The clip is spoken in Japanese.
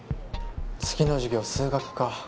次の授業数学か。